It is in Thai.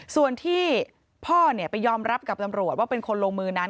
ส่วนที่พ่อไปยอมรับกับตำรวจว่าเป็นคนลงมือนั้น